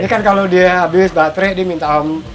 ini kan kalau dia habis baterai dia minta om